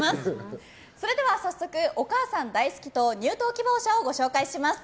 早速、お母さん大好き党入党希望者をご紹介します。